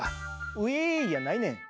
『うえい』やないねん！